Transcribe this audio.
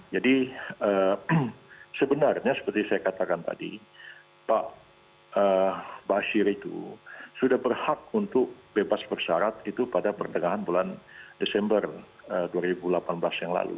jadi sebenarnya seperti saya katakan tadi pak bashir itu sudah berhak untuk bebas persyarat itu pada pertengahan bulan desember dua ribu delapan belas yang lalu